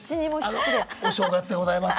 お正月でございます。